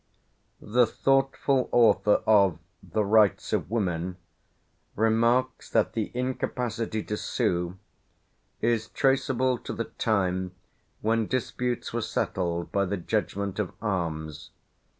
The thoughtful author of the "Rights of Women" remarks that the incapacity to sue is "traceable to the time when disputes were settled by the judgment of arms.